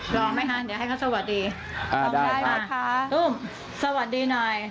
รอไหมคะเดี๋ยวให้เขาสวัสดี